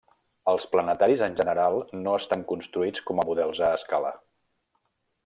Els planetaris en general no estan construïts com a models a escala.